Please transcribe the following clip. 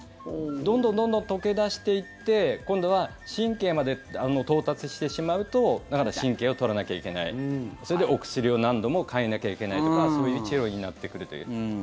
どんどんどんどん溶け出していって今度は神経まで到達してしまうとだから神経を取らなきゃいけないそれでお薬を何度も換えなきゃいけないとかそういう治療になってくるという。